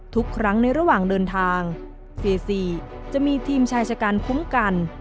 ทุกครั้งในระหว่างเดินทางเฟซีจะมีทีมชายชะกันคุ้มกัน